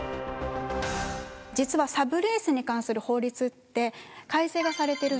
実はサブリースに関する法律って改正がされてるんです。